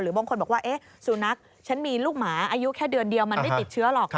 บางคนบอกว่าสุนัขฉันมีลูกหมาอายุแค่เดือนเดียวมันไม่ติดเชื้อหรอก